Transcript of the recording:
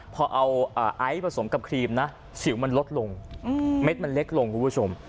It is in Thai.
พอเอาไอซ์ผสมกับครีมนะสิวมันลดลงเม็ดมันเล็กลงคุณผู้ชม